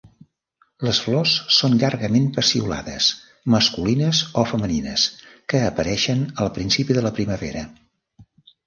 Les flors són llargament peciolades masculines o femenines que apareixen al principi de la primavera.